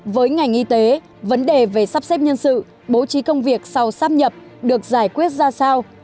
với ngành y tế vấn đề về sắp xếp nhân sự bố trí công việc sau sắp nhập được giải quyết ra sao